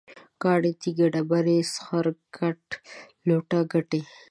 کاڼی، تیږه، ډبره، سخر، ګټ، لوټه، ګټی